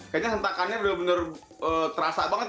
kayaknya sentakannya udah bener terasa banget